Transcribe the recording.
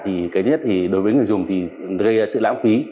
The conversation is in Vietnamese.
thì cái nhất thì đối với người dùng thì gây sự lãng phí